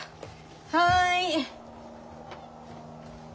はい。